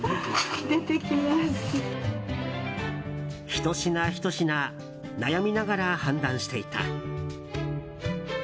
ひと品、ひと品悩みながら判断していた。